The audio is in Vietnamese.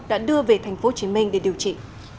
đã đưa về tp hcm để điều trị